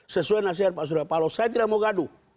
sesuai nasihat pak surya palo saya tidak mau gaduh